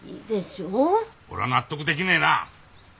俺は納得できねえな。